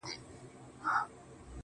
ژوند پکي اور دی، آتشستان دی.